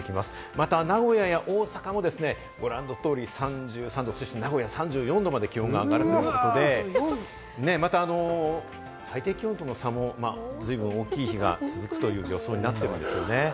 また名古屋や大阪もですね、ご覧の通り３３度、名古屋・３４度まで気温が上がる見込みで、また最低気温との差も、ずいぶん大きい日が続くという予想になっていますよね。